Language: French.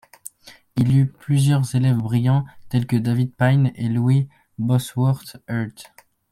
Il eut plusieurs élèves brillants tels que David Payne et Louis Bosworth Hurt.